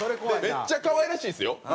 めっちゃ可愛らしいんですよ。